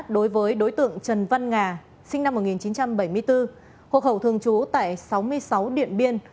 đối với đối tượng trần văn nga sinh năm một nghìn chín trăm bảy mươi bốn hộ khẩu thường trú tại sáu mươi sáu điện biên